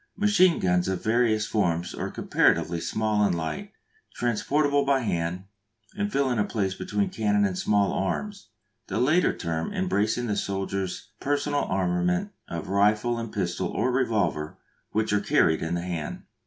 Machine guns of various forms are comparatively small and light, transportable by hand, and filling a place between cannon and small arms, the latter term embracing the soldier's personal armament of rifle and pistol or revolver, which are carried in the hand.